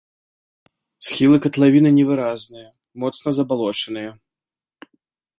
Схілы катлавіны невыразныя, моцна забалочаныя.